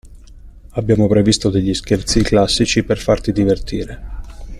Abbiamo previsto degli scherzi classici per farti divertire.